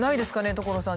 所さん。